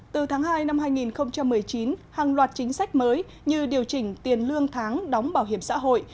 từ tháng hai năm hai nghìn một mươi chín hàng loạt chính sách mới như điều chỉnh tiền lương tháng đóng bảo hiểm xã hội